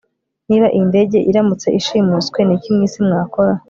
niba iyi ndege iramutse ishimuswe, niki mwisi mwakora